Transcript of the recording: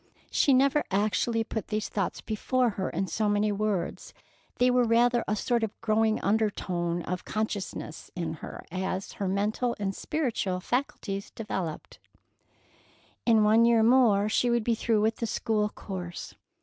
She never actually put these thoughts before her in so many words. They were rather a sort of growing undertone of consciousness in her, as her mental and spiritual faculties developed. In one year more she would be through with the school course.